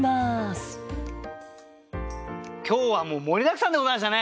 今日はもう盛りだくさんでございましたね。